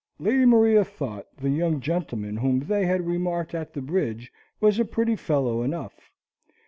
Lady Maria thought the young gentleman whom they had remarked at the bridge was a pretty fellow enough.